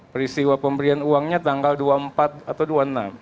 peristiwa pemberian uangnya tanggal dua puluh empat atau dua puluh enam